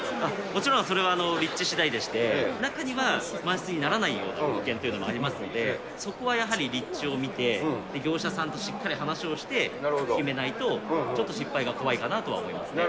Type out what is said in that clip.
もちろん、それは立地しだいでして、中には満室にならないような物件というのもありますので、そこはやはり、立地を見て、業者さんとしっかり話をして決めないと、ちょっと失敗が怖いかなとは思いますね。